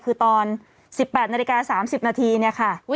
คือตอน๑๘นาฬิกา๓๐นาทีเนี่ยค่ะ